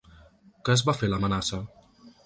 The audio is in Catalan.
Que es va fer l’amenaça?